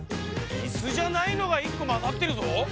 イスじゃないのがいっこまざってるぞ。